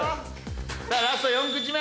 さあラスト４口目。